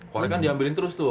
soalnya kan diambilin terus tuh